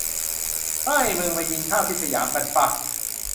เฮ้ย มึง ไปกินข้าวที่สยามกันปะ